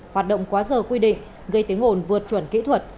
hoạt động quá giờ quy định gây tiếng ồn vượt chuẩn kỹ thuật